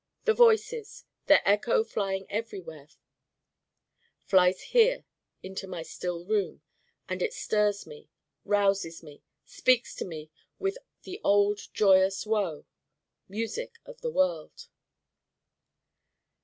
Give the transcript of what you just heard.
The Voices: their echo flying everywhere flies here into my still room: and it stirs me, rouses me, speaks to me with the old joyous woe. Music of the world.